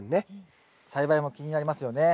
栽培も気になりますよね。